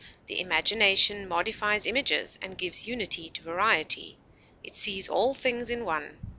The imagination modifies images, and gives unity to variety; it sees all things in one....